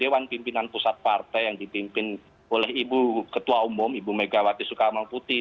dewan pimpinan pusat partai yang dipimpin oleh ibu ketua umum ibu megawati soekarno putri